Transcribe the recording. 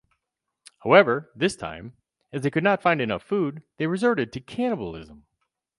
However, this time, as they could not find enough food, they resorted to cannibalism.